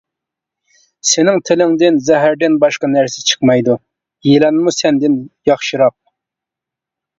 سېنىڭ تىلىڭدىن زەھەردىن باشقا نەرسە چىقمايدۇ، يىلانمۇ سەندىن ياخشىراق.